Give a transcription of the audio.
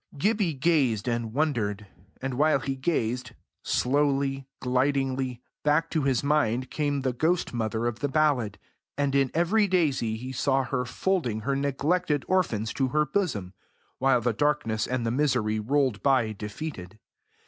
Gibbie gazed and wondered; and while he gazed slowly, glidingly, back to his mind came the ghost mother of the ballad, and in every daisy he saw her folding her neglected orphans to her bosom, while the darkness and the misery rolled by defeated.